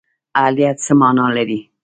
اهلیت څه مانا لري؟